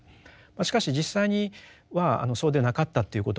しかし実際にはそうでなかったということもですね